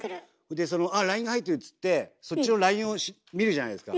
でそのあっＬＩＮＥが入ってるっつってそっちのＬＩＮＥを見るじゃないですか。